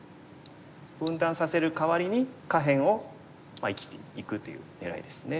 分断させるかわりに下辺を生きていくという狙いですね。